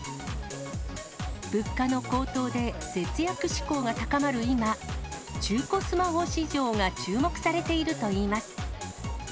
物価の高騰で節約志向が高まる今、中古スマホ市場が注目されているといいます。